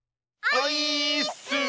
オイーッス！